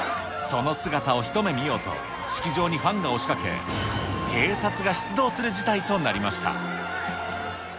その姿を一目見ようと、式場にファンが押しかけ、警察が出動する事態となりました。